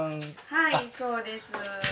はいそうです